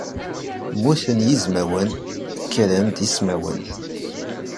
Mmuten yizmawen kkren-d ismawen!